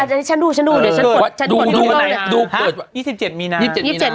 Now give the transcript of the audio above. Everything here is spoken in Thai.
อันนี้ฉันดูเดี๋ยวฉันกด